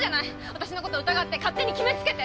私のこと疑って勝手に決めつけて！